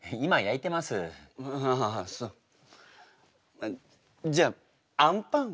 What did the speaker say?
あじゃああんパンは？